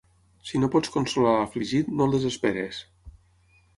Si no pots consolar l'afligit, no el desesperis.